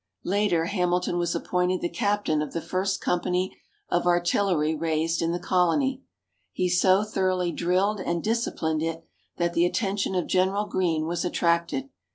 Later Hamilton was appointed the Captain of the first company of artillery raised in the Colony. He so thoroughly drilled and disciplined it, that the attention of General Greene was attracted.